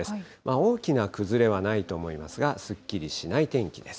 大きな崩れはないと思いますが、すっきりしない天気です。